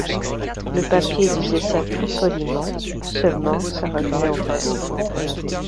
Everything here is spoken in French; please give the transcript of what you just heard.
Le papier disait ça plus poliment, seulement ça revenait au même.